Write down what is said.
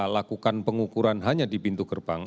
lakukan pengukuran hanya di pintu gerbang